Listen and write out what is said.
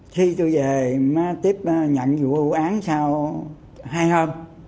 khi tôi về mới tiếp nhận vụ án sau hai hôm